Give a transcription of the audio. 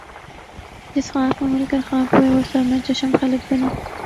جس خاک میں مل کر خاک ہوئے وہ سرمۂ چشم خلق بنی